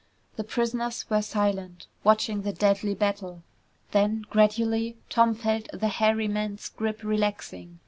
The prisoners were silent, watching the deadly battle. Then, gradually, Tom felt the hairy man's grip relaxing.